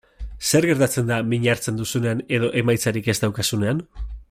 Zer gertatzen da min hartzen duzunean edo emaitzarik ez daukazunean?